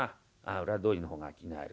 裏通りの方が商いある。